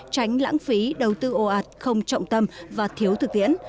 tránh lãng phí đầu tư ồ ạt không trọng tâm và thiếu thực tiễn